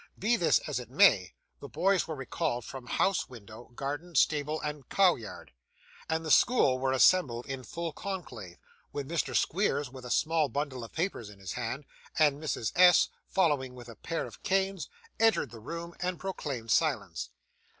Be this as it may, the boys were recalled from house window, garden, stable, and cow yard, and the school were assembled in full conclave, when Mr. Squeers, with a small bundle of papers in his hand, and Mrs. S. following with a pair of canes, entered the room and proclaimed silence.